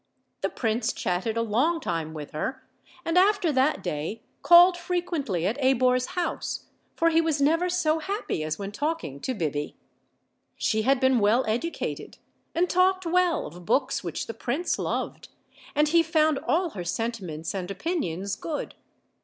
The prince chatted a long time with her, and after that day called frequently at Abor's house, for he was never so happy as when talking to Biby. She had been well educated, and talked well of books which the prince loved, and he found all her senti ment* and opinions good.